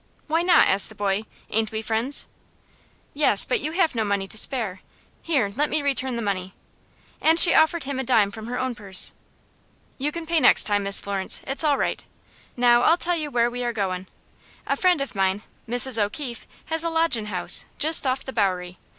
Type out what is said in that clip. "Why not?" asked the boy. "Ain't we friends?" "Yes, but you have no money to spare. Here, let me return the money." And she offered him a dime from her own purse. "You can pay next time, Miss Florence. It's all right. Now, I'll tell you where we are goin'. A friend of mine, Mrs. O'Keefe, has a lodgin' house, just off the Bowery.